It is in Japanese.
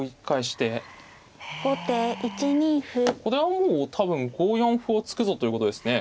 これはもう多分５四歩を突くぞということですね。